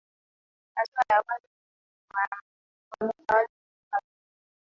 hatua ya kwanza ni kuhamisha wazo kutoka kichwa